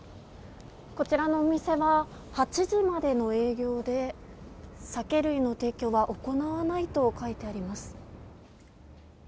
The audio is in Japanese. こちらのお店は、８時までの営業で、酒類の提供は行わないと書いてあります。